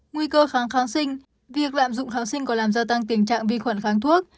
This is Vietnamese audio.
nguy cơ kháng kháng sinh việc lạm dụng kháng sinh còn làm gia tăng tình trạng vi khuẩn kháng thuốc